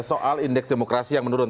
soal indeks demokrasi yang menurun